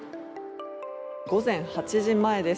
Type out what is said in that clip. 午前８時前です。